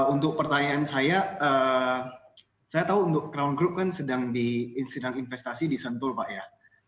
untuk pertanyaan saya saya tahu untuk crown group kan sedang disidang investasi di sentul pak ya